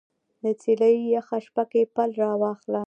د څیلې یخه شپه کې پل راواخله